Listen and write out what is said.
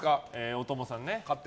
大友さんね。